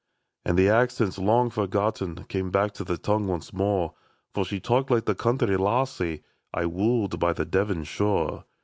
" And the accents, long forgotten, Came back to the tongue once more. For she talked like the country lassie I woo'd by the Devon shore.